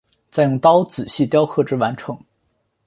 再用刀仔细雕刻至完成。